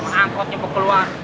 hewan sama angkotnya mau keluar